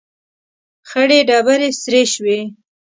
، خړې ډبرې سرې شوې.